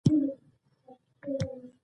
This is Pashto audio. د کور پاکول څومره وخت نیسي؟ شاوخوا دوه ساعته